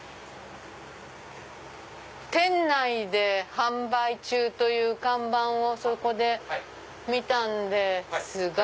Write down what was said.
店内で販売中という看板をそこで見たんですが。